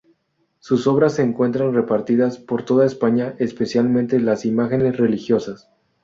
Sus obras se encuentran repartidas por toda España, especialmente las imágenes religiosas.